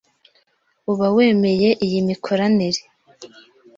uba wemeye iyi mikoranire.